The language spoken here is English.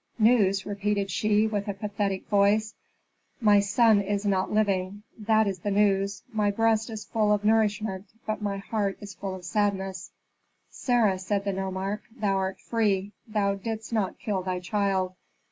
"News," repeated she with a pathetic voice. "My son is not living, that is the news; my breast is full of nourishment, but my heart is full of sadness." "Sarah," said the nomarch, "thou art free. Thou didst not kill thy child."